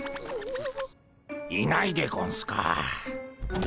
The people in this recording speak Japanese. いないでゴンスか。